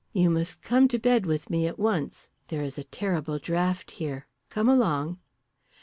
You must come to bed with me at once; there is a terrible draught here. Come along."